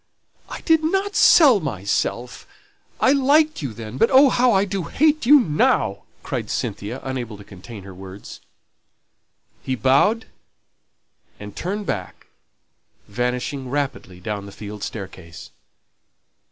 "I did not sell myself; I liked you then. But oh, how I do hate you now!" cried Cynthia, unable to contain her words. He bowed and turned back, vanishing rapidly down the field staircase.